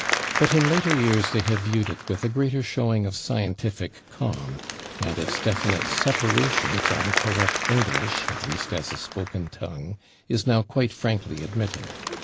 But in later years they have viewed it with a greater showing of scientific calm, and its definite separation from correct English, at least as a spoken tongue, is now quite frankly admitted.